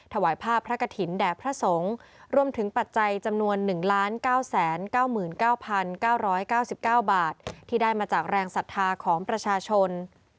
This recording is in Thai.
ถวายภาพพระกฐินแด่พระสงฆ์รวมถึงปัจจัยจำนวน๑๙๙๙๙๙๙๙๙๙บาทที่ได้มาจากแรงศรัทธาของประชาชน